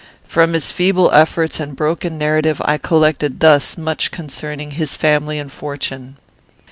From his feeble efforts and broken narrative I collected thus much concerning his family and fortune.